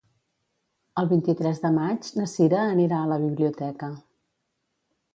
El vint-i-tres de maig na Cira anirà a la biblioteca.